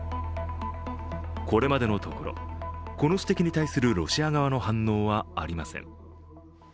これまでのところ、この指摘に対するロシア側の反応はありません。